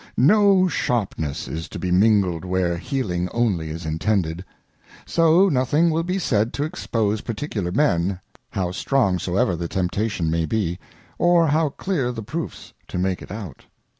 No sharpness is to be mingled where Healing only is intended ; so nothing will be said to expose particular men, how strong soever the Temptation may be, or how clear the Proofs to make it out.